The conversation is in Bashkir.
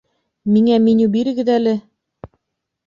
Миңә меню бирегеҙ әле!